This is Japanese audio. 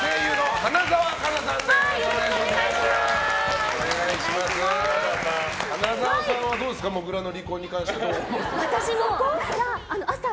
花澤さんはどうですかもぐらの離婚に関しては。